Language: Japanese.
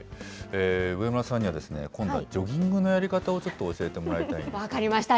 上村さんには今度はジョギングのやり方を、ちょっと教えても分かりました。